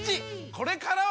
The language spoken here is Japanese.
これからは！